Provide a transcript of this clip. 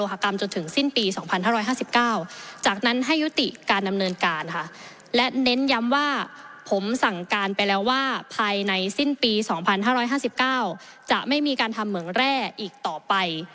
ไว้นี้ของจะไม่มีการทำเหมือนแร่อีกต่อไป